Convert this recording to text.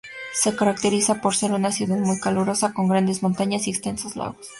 Se caracteriza por ser una ciudad muy calurosa, con grandes montañas y extensos lagos.